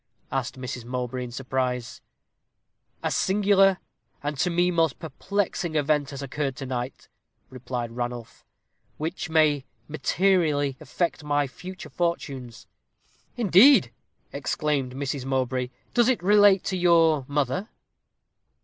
asked Mrs. Mowbray, in surprise. "A singular, and to me most perplexing event has occurred to night," replied Ranulph, "which may materially affect my future fortunes." "Indeed!" exclaimed Mrs. Mowbray. "Does it relate to your mother?"